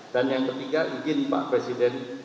dan yang ketiga izin pak presiden